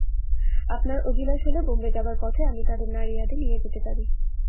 আপনার অভিলাষ হলে বোম্বে যাবার পথে আমি তাঁদের নাড়িয়াদে নিয়ে যেতে পারি।